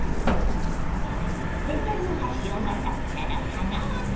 瀬戸大橋を渡ったら香川県。